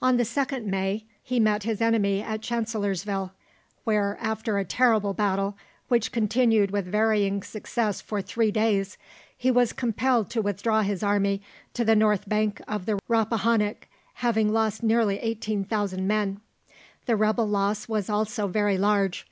On the 2nd May, he met the enemy at Chancellorsville, where, after a terrible battle, which continued with varying success for three days, he was compelled to withdraw his army to the north bank of the Rappahannock, having lost nearly 18,000 men. The rebel loss was also very large.